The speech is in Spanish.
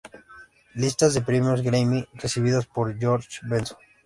Lista de premios "Grammy" recibidos por George Benson.